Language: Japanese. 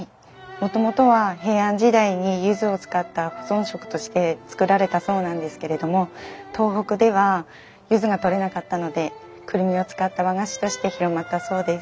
もともとは平安時代にゆずを使った保存食として作られたそうなんですけれども東北ではゆずが採れなかったのでクルミを使った和菓子として広まったそうです。